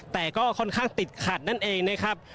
แต่ก็ค่อนข้างติดขัดนั่นเองนะครับ